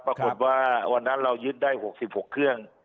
ปรากฏว่าวันนั้นเรายึดได้๖๖เครื่อง